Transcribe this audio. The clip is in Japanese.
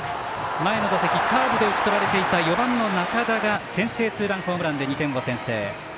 前の打席カーブで打ち取られていた４番の仲田が先制ツーランホームランで２点を先制。